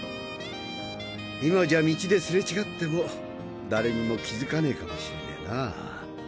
今じゃ道ですれ違っても誰にも気づかねえかもしれねぇな。